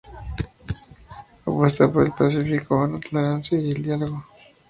Apuesta por el pacifismo, la tolerancia y el diálogo.